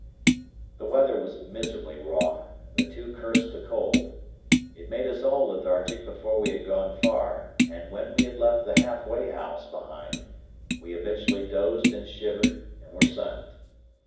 The weather was miserably raw, and the two cursed the cold. It made us all lethargic before we had gone far, and when we had left the Half way House behind, we habitually dozed and shivered and were silent.